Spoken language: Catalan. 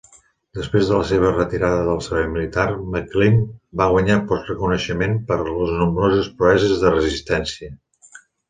Després de la seva retirada del servei militar, McClean va guanyar reconeixement per les nombroses proeses de resistència.